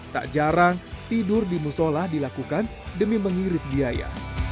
tak jarang tidur di musolah dilakukan demi mengirit biaya